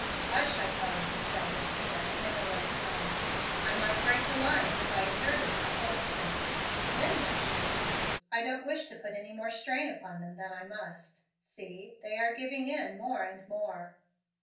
"Hush, I tell you!" said Hemstead, in a low tone. "I might break the lines if I exerted my whole strength. Then where should we be? I don't wish to put any more strain upon them than I must. See, they are giving in more and more."